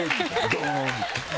ドン！